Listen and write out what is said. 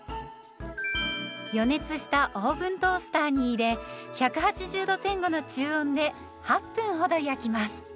予熱したオーブントースターに入れ１８０度前後の中温で８分ほど焼きます。